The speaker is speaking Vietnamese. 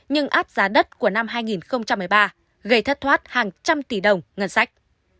nhưng áp giá đất của năm hai nghìn một mươi ba gây thất thoát hàng trăm tỷ đồng ngân sách